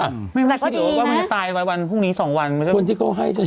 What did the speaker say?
แต่ก็ดีนะมันจะตายไว้วันพรุ่งนี้๒วันมันจะคนที่เขาให้จะยอม